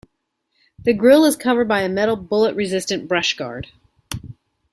The grille is covered by a metal bullet-resistant brushguard.